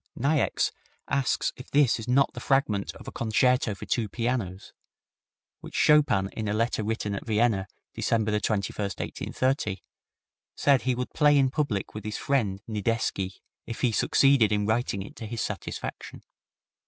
Niecks asks if this is not the fragment of a concerto for two pianos, which Chopin, in a letter written at Vienna, December 21, 1830, said he would play in public with his friend Nidecki, if he succeeded in writing it to his satisfaction.